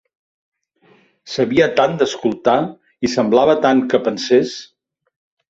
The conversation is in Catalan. Sabia tant d'escoltar, i semblava tant que pensés